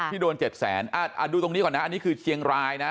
ที่โดน๗แสนดูตรงนี้ก่อนนะอันนี้คือเชียงรายนะ